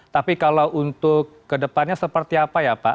tapi kalau untuk kedepannya seperti apa ya pak